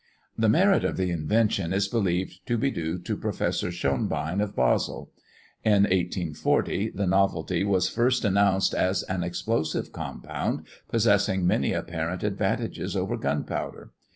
The merit of the invention is believed to be due to Professor Schonbein, of Basle. In 1840, the novelty was first announced as an explosive compound, possessing many apparent advantages over gunpowder.